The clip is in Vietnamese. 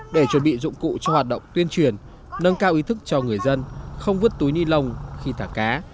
để chuẩn bị dụng cụ cho hoạt động tuyên truyền nâng cao ý thức cho người dân không vứt túi ni lông khi thả cá